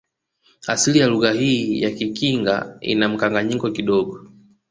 Asili ya lugha hii ya kikinga ina mkanganyo kidogo